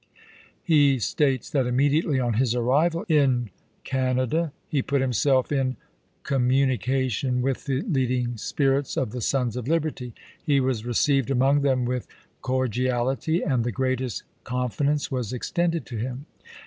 He states that immediately on his arrival in Canada he put himself in communication with the leading spirits of the Sons of Liberty. He was received among them with cordiality, and the greatest confidence was extended to him.